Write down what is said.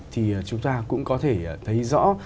thì chúng ta cũng có thể thấy rõ